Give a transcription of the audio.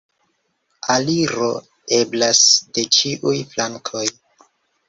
Aliro eblas de ĉiuj flankoj.